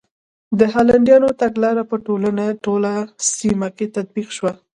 د هالنډیانو تګلاره په ټوله سیمه کې تطبیق شوه.